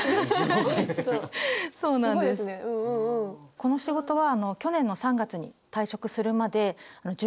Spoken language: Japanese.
この仕事は去年の３月に退職するまで１８年間勤めていました。